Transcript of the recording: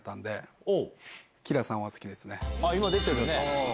今出てるね。